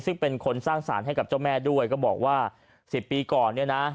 ซึ่งเป็นคนสร้างสารให้กับเจ้าแม่ด้วยก็บอกว่า๑๐ปีก่อนเนี่ยนะ